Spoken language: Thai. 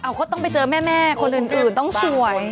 อ้าวเขาต้องไปเจอแม่คนอื่นต้องสวย